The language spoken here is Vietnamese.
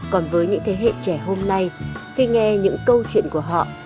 còn với những thế hệ trẻ hôm nay khi nghe những câu chuyện của họ